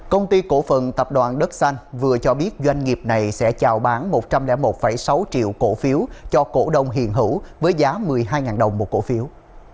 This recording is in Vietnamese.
công ty cổ phần tập đoàn đất xanh vừa cho biết doanh nghiệp này sẽ chào bán một trăm linh một sáu triệu cổ phiếu cho cổ đông hiền hữu với giá một mươi hai đồng một cổ phiếu